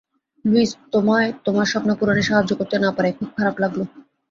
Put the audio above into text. Luis, তোমায় তোমার স্বপ্ন পূরণে সাহায্য করতে না পারায় খুব খারাপ লাগলো।